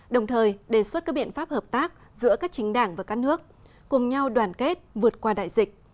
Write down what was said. đồng thời đề xuất các biện pháp hợp tác giữa các chính đảng và các nước cùng nhau đoàn kết vượt qua đại dịch